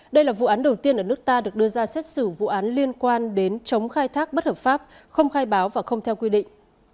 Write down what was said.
đây là vụ án đầu tiên ở nước ta được đưa ra xét xử vụ án liên quan đến chống khai thác bất hợp pháp không khai báo và không theo quy định